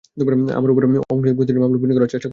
আমার উপর অমীমাংসিত প্রতিটা মামলা পিন করার চেষ্টা করেছিল।